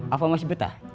apa masih betah